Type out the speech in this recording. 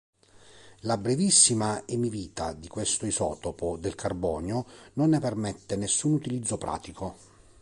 La brevissima emivita di questo isotopo del carbonio non ne permette nessun utilizzo pratico.